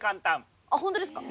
あっホントですか。